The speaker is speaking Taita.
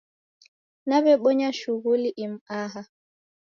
Daw'ebonya shughuli imu aha